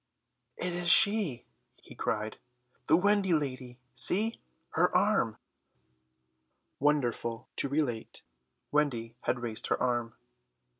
"It is she," he cried, "the Wendy lady, see, her arm!" Wonderful to relate, Wendy had raised her arm.